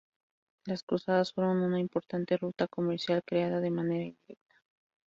Las Cruzadas fueron una importante ruta comercial creada de manera indirecta.